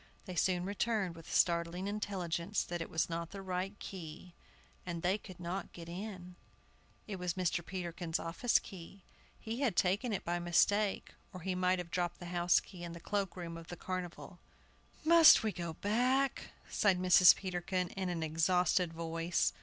They soon returned with the startling intelligence that it was not the right key, and they could not get in. It was Mr. Peterkin's office key; he had taken it by mistake, or he might have dropped the house key in the cloak room of the Carnival. "Must we go back?" sighed Mrs. Peterkin, in an exhausted voice.